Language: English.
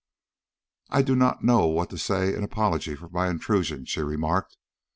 "I do not know what to say in apology for my intrusion," she remarked.